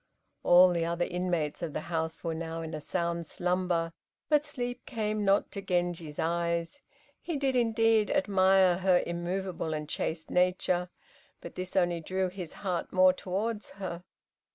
All the other inmates of the house were now in a sound slumber, but sleep came not to Genji's eyes. He did, indeed, admire her immovable and chaste nature, but this only drew his heart more towards her.